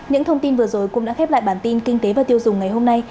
những thông tin vừa rồi cũng đã khép lại bản tin kinh tế và tiêu dùng ngày hôm nay